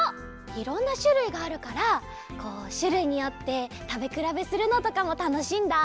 いろんなしゅるいがあるからこうしゅるいによってたべくらべするのとかもたのしいんだ。